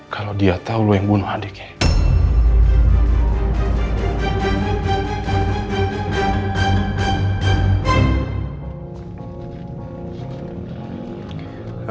kalau dia tahu lo yang bunuh adiknya